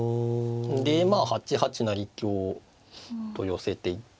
でまあ８八成香と寄せていって。